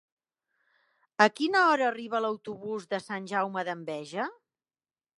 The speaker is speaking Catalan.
A quina hora arriba l'autobús de Sant Jaume d'Enveja?